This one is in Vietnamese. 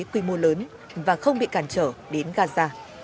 quy mô lớn và không bị cản trở đến gaza